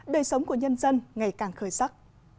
đời sống của nhân dân ngày càng khởi sắc